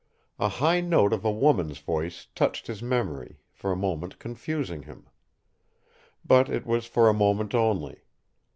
A high note of a woman's voice touched his memory, for a moment confusing him. But it was for a moment only.